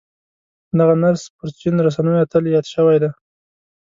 دغه نرس پر چين رسنيو اتل ياد شوی دی.